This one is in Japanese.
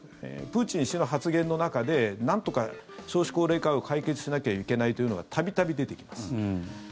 プーチン氏の発言の中でなんとか少子高齢化を解決しなきゃいけないというのが度々出てきます。